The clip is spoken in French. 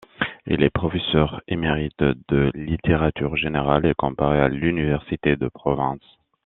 Il est professeur émérite de littérature générale et comparée à l'Université de Provence.